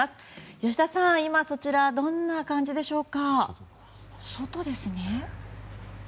吉田さん、今そちらはどんな感じでしょうか。